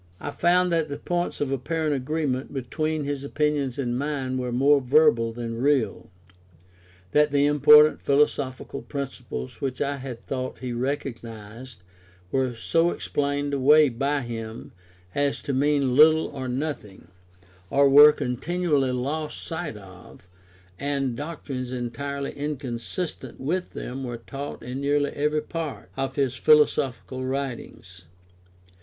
I found that the points of apparent agreement between his opinions and mine were more verbal than real; that the important philosophical principles which I had thought he recognised, were so explained away by him as to mean little or nothing, or were continually lost sight of, and doctrines entirely inconsistent with them were taught in nearly every part of his philosophical writings.